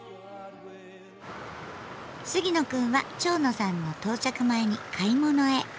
杉野くんは蝶野さんの到着前に買い物へ。